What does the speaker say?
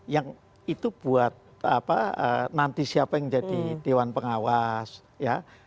yang itu buat apa nanti siapa yang jadi dewan pengawas ya